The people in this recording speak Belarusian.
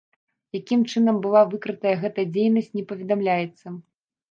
Якім чынам была выкрытая гэтая дзейнасць, не паведамляецца.